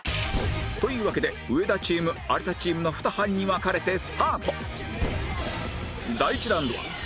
というわけで上田チーム有田チームの２班に分かれてスタート